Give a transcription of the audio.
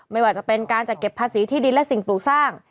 ไม่ว่าจะเป็นการจัดเก็บภาษีที่ดินและสิ่งปลูกสร้าง